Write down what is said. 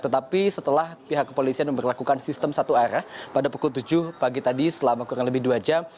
tetapi setelah pihak kepolisian memperlakukan sistem satu arah pada pukul tujuh pagi tadi selama kurang lebih dua jam